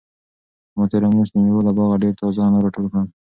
ما تېره میاشت د مېوو له باغه ډېر تازه انار راټول کړل.